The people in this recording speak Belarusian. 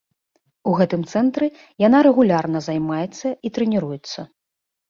У гэтым цэнтры яна рэгулярна займаецца і трэніруецца.